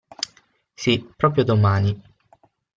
Sì, proprio domani!